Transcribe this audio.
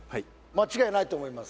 間違いないと思います